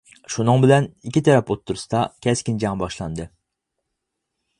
شۇنىڭ بىلەن ئىككى تەرەپ ئوتتۇرىسىدا كەسكىن جەڭ باشلاندى.